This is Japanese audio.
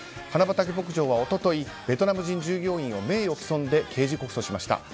花畑牧場は一昨日ベトナム人従業員を名誉毀損で刑事告訴しました。